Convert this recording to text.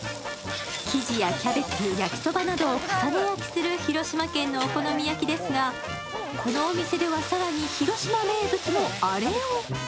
生地やキャベツ、焼きそばなどを重ね焼きする広島県のお好み焼きですがこのお店では更に広島名物のあれを。